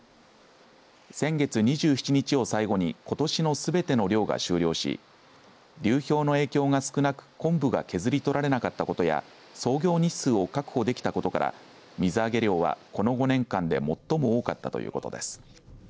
先月２７日を最後にことしのすべての漁が終了し流氷の影響が少なくコンブが削り取られなかったことや操業日数を確保できたことから水揚げ量は、この５年間で最も多かったということです。